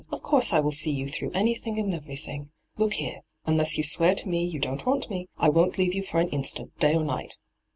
* Of course I will see you through anything and everything. Look here : unless you swear to me you don't want me, I won't leave you for an instant, day or night